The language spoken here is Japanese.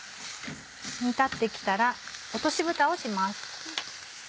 煮立ってきたら落としぶたをします。